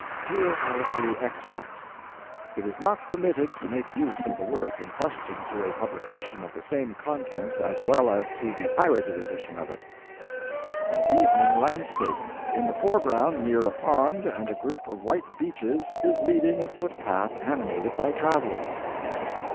Here are a few extracts: "It is not permitted to make use of the work in question to a publication of the same contents as well as to the pirated edition of it." "An evening landscape. In the foreground near a pond and a group of white beeches is leading a footpath animated by travelers."